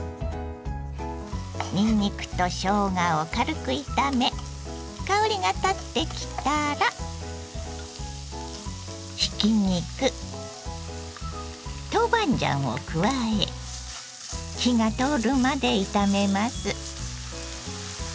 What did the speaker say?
にんにくとしょうがを軽く炒め香りがたってきたらひき肉豆板醤を加え火が通るまで炒めます。